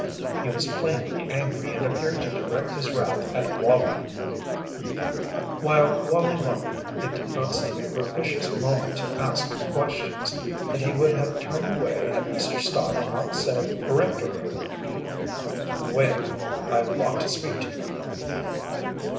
He was plainly angry and appeared to direct his wrath at Wallie. While Wallie wondered, it did not seem a propitious moment to ask questions, and he would have turned away had Mr. Stott not said peremptorily: "Wait a minute. I want to speak to you."